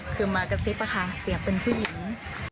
คือมากระซิบอะค่ะเสียงเป็นผู้หญิง